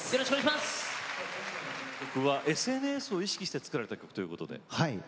今回の曲はＳＮＳを意識して作られた曲だということで。